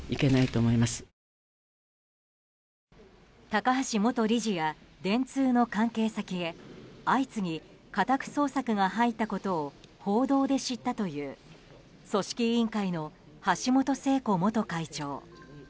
高橋元理事や電通の関係先へ相次ぎ家宅捜索が入ったことを報道で知ったという組織委員会の橋本聖子元会長。